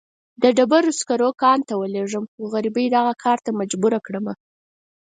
د ډبرو سکرو کان ته ولېږم، خو غريبۍ دغه کار ته مجبوره کړمه.